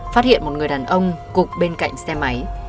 phát hiện một người đàn ông cục bên cạnh xe máy